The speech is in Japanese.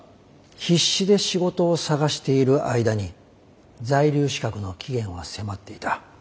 必死で仕事を探している間に在留資格の期限は迫っていた。